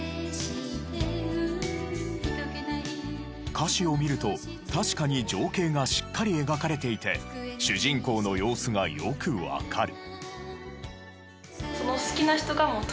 歌詞を見ると確かに情景がしっかり描かれていて主人公の様子がよくわかる。